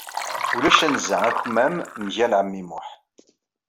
Ulac anza akmam mgal ɛemmi Muḥ.